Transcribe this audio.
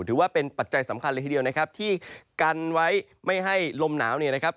ปัจจัยสำคัญเลยทีเดียวนะครับที่กันไว้ไม่ให้ลมหนาวเนี่ยนะครับ